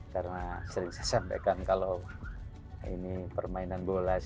karena sering saya sampaikan kalau ini permainan bola